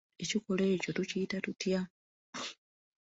Ekikolwa ekyo tukiyita tutya?